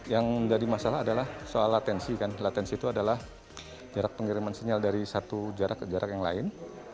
yang jadi masalah adalah soal latensi kan latensi itu adalah jarak pengiriman sinyal dari satu jarak ke jarak yang lain